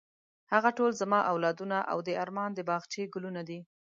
هغه ټول زما اولادونه او د ارمان د باغچې ګلونه دي.